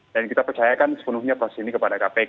dan kita percayakan sepenuhnya proses ini kepada kpk